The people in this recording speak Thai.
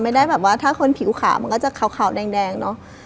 ไม่ได้แบบว่าถ้าคนผิวขาวมันก็จะขาวแดงเนอะ